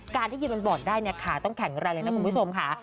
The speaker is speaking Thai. การที่ยืนมันบอดได้เนี่ยขาต้องแข็งแรงเลยนะคุณผู้ชมค่ะ